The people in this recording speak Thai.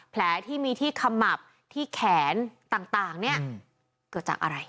แผลที่มีที่ขมับที่แขนต่างเนี่ยเกิดจากอะไร